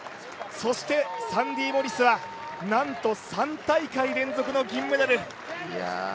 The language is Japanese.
そして、サンディ・モリスはなんと３大会連続の銀メダル。